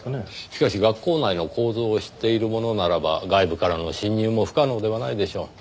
しかし学校内の構造を知っている者ならば外部からの侵入も不可能ではないでしょう。